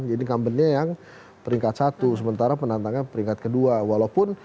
jadi incumbentnya yang peringkat satu sementara penantangnya peringkat kedua